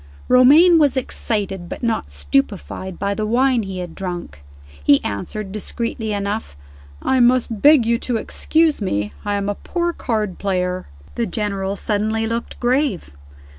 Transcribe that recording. Romayne was excited, but not stupefied, by the wine he had drunk. He answered, discreetly enough, "I must beg you to excuse me; I am a poor card player." The General suddenly looked grave.